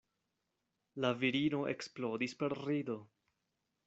La virino eksplodis per rido.